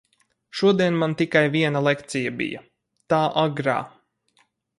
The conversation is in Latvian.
Šodien man tikai viena lekcija bija, tā agrā.